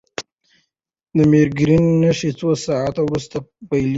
د مېګرین نښې څو ساعته وروسته پیلېږي.